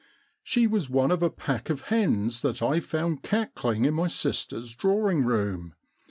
She was one of a pack of hens that I found cackling in my sister's drawing room.